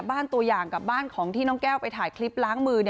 ตัวอย่างกับบ้านของที่น้องแก้วไปถ่ายคลิปล้างมือ